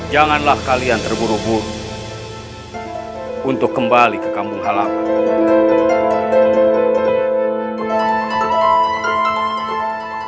janganlah kalian terburuh buruh untuk kembali ke kambung halaman